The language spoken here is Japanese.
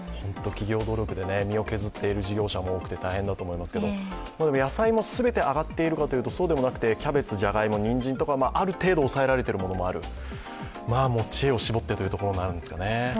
企業努力で身を削っている事業者も多くて大変だと思いますけど野菜も全て上がっているかというとそうでもなくてキャベツ、じゃがいも、にんじんなどある程度控えているところもある知恵を絞ってというところになるんですかね。